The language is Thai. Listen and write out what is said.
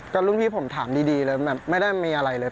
ก็รุ่นพี่ผมถามดีเลยแบบไม่ได้มีอะไรเลย